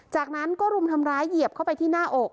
จากนั้นก็รุมทำร้ายเหยียบเข้าไปที่หน้าอก